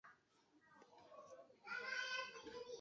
农业改良场